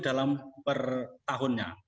dalam per tahunnya